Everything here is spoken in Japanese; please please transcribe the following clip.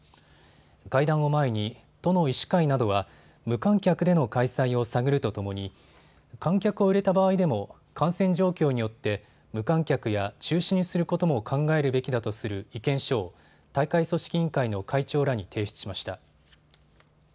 会談を前に都の医師会などは無観客での開催を探るとともに観客を入れた場合でも感染状況によって無観客や中止にすることも考えるべきだとする意見書を大会組織委員会の会長らに提出しました。